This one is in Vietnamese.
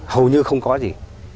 hầu như không có gì